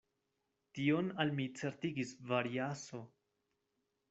Tion al mi certigis Variaso.